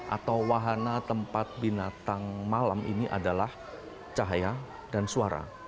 atau wahana tempat binatang malam ini adalah cahaya dan suara